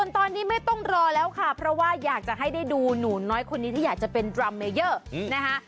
ตอนนี้ไม่ต้องรอแล้วค่ะเพราะว่าอยากจะให้ได้ดูหนูน้อยคนนี้ที่อยากจะเป็นดรัมเมเยอร์นะคะ